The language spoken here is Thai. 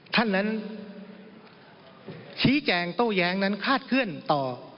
ท่านนั้นชี้แจงโต้แย้งนั้นคาดเคลื่อนต่อ